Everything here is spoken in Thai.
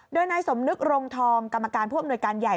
โดยนายสมนึกรงทองกรรมการผู้อำนวยการใหญ่